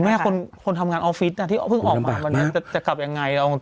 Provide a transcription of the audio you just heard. แม่คนทำงานออฟฟิศที่เพิ่งออกมาวันนั้นจะกลับยังไง